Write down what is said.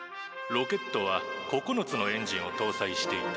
「ロケットは９つのエンジンを搭載していて」。